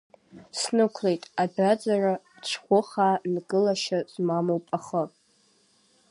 Снықәлеит, адәаӡара цәӷәыхаа, нкылашьа змамоуп ахы.